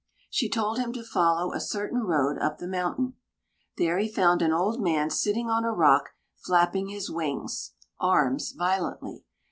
She told him to follow a certain road up a mountain. There he found an old man sitting on a rock flapping his wings (arms) violently.